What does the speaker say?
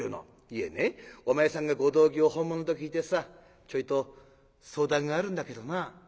「いえねお前さんがご同業を本物と聞いてさちょいと相談があるんだけどな」。